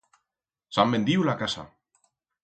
S'han vendiu la casa.